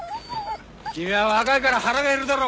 君は若いから腹が減るだろ！